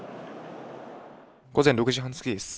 午前６時半過ぎです。